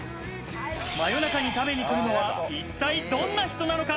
夜中に食べに来るのは一体どんな人なのか？